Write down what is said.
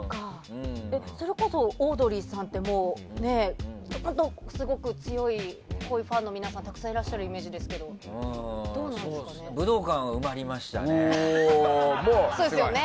それこそオードリーさんって本当にすごく強い濃いファンの皆さんがたくさんいらっしゃるイメージがありますよね。